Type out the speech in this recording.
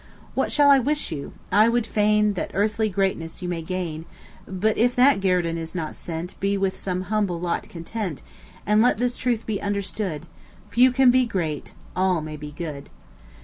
What shall I wish you? I would fain That earthly greatness you may gain; But if that guerdon is not sent, Be with some humble lot content; And let this truth be understood Few can be great, all may be good.